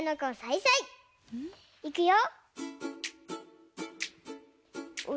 いくよ。